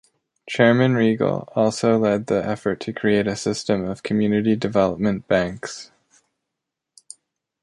Chairman Riegle also led the effort to create a system of community development banks.